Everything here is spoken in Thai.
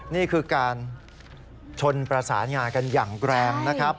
นี่คือการชนประสานงากันอย่างแรงนะครับ